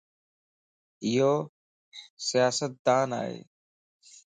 ايو سياستدان ائي